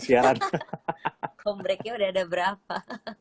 siaran kompleksnya udah ada berapa